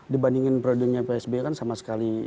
dibandingin prioritasnya psb kan sama sekali